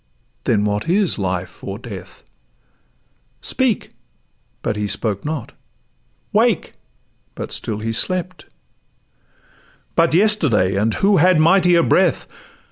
then what is life or death? Speak!' but he spoke not: 'Wake!' but still he slept:— 'But yesterday and who had mightier breath?